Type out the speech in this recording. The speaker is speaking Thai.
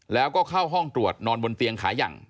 แล้วก็เข้าห้องตรวจนอนบนเตียงขายัง